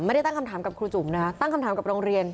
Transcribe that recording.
ไม่ได้ตั้งคำถามกับครูจุ๋มนะคะตั้งคำถามกับโรงเรียน